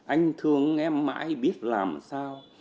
anh thương em mãi biết làm sao